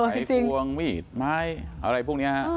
ไขฟวงมีดไม้อะไรพวกนี้